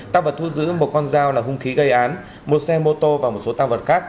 tăng vật thu giữ một con dao là hung khí gây án một xe mô tô và một số tăng vật khác